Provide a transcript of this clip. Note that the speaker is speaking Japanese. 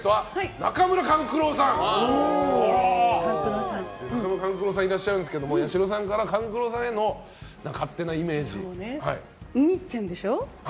中村勘九郎さんがいらっしゃるんですけど八代さんから勘九郎さんへの勝手なイメージ。